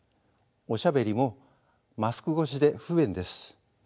おしゃべりもマスク越しで不便です。